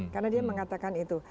karena dia mengatakan itu